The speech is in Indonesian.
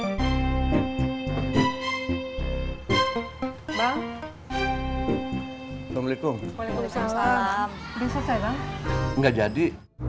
kenapa nggak jadi